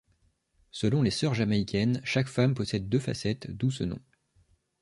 Selon les sœurs jamaïcaines, chaque femme possède deux facettes, d'où ce nom.